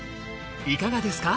いかがですか？